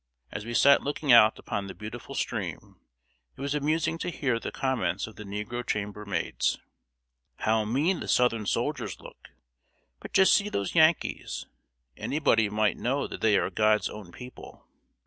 As we sat looking out upon the beautiful stream, it was amusing to hear the comments of the negro chamber maids: "How mean the Southern soldiers look! But just see those Yankees! Anybody might know that they are God's own people!"